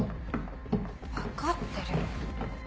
分かってる。